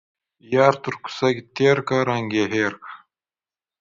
يار تر کوڅه تيرکه ، رنگ يې هير که.